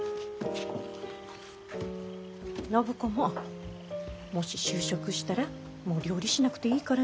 暢子ももし就職したらもう料理しなくていいからね。